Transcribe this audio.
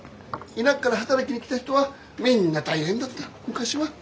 田舎から働きに来た人はみんな大変だった昔は。